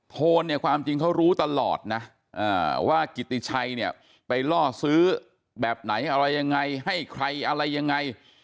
โทนเนี่ยความจริงเขารู้ตลอดนะว่ากิติชัยเนี่ยไปล่อซื้อแบบไหนอะไรยังไงให้ใครอะไรยังไง